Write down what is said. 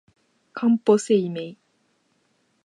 かんぽ生命